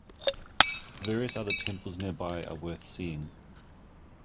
Various other temples nearby are worth seeing.